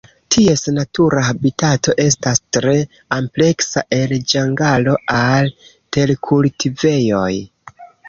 Ties natura habitato estas tre ampleksa el ĝangalo al terkultivejoj.